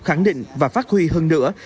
khẳng định và phát huy hơn nữa